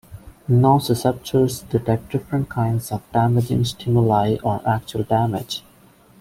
Nociceptors detect different kinds of damaging stimuli or actual damage.